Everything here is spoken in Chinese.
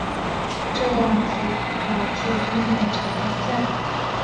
这样极易导致地面沉降。